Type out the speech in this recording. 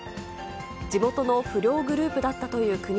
地元の不良グループだったという９人。